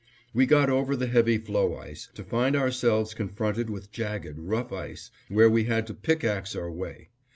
We got over the heavy floe ice, to find ourselves confronted with jagged, rough ice, where we had to pickax our way.